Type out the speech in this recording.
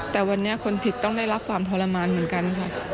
แต่วันนี้คนผิดต้องได้รับความทรมานเหมือนกันค่ะ